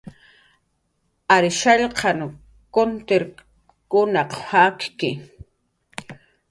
Ary shallqsananw kuntirkunaq jakki